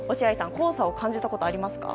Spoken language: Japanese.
黄砂を感じたことありますか？